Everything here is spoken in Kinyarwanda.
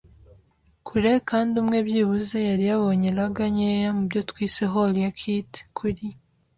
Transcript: kure; kandi umwe byibuze yari yabonye lugger nkeya mubyo twise Hole ya Kitt. Kuri